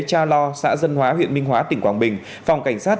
cha lo xã dân hóa huyện minh hóa tỉnh quảng bình phòng cảnh sát